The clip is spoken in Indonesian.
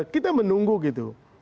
kita menunggu gitu